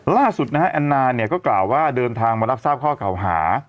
ล่าสุดนะฮะแอนนาเนี่ยก็กล่าวว่าเดินทางมารับทราบข้อเก่าหา